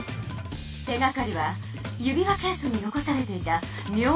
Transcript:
手がかりは指輪ケースに残されていたみょうな紙よ。